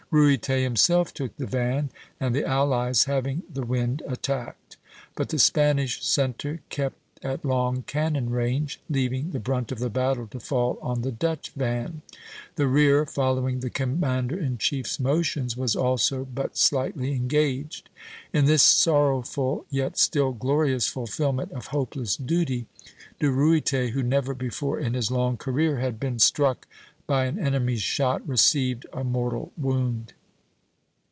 Ruyter himself took the van, and the allies, having the wind, attacked; but the Spanish centre kept at long cannon range, leaving the brunt of the battle to fall on the Dutch van. The rear, following the commander in chief's motions, was also but slightly engaged. In this sorrowful yet still glorious fulfilment of hopeless duty, De Ruyter, who never before in his long career had been struck by an enemy's shot, received a mortal wound.